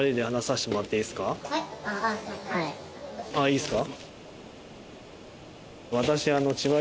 いいですか？